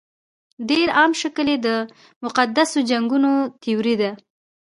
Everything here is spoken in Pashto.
ډېر عام شکل یې د مقدسو جنګونو تیوري ده.